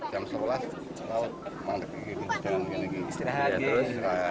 jam sebelas laut mandek istirahat